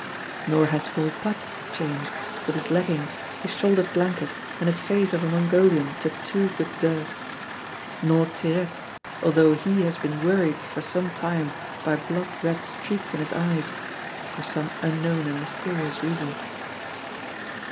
Nor has Volpatte changed, with his leggings, his shouldered blanket, and his face of a Mongolian tatooed with dirt; nor Tirette, although he has been worried for some time by blood red streaks in his eyes for some unknown and mysterious reason.